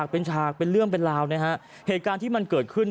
เป็นฉากเป็นเรื่องเป็นราวนะฮะเหตุการณ์ที่มันเกิดขึ้น